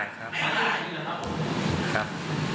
ครับ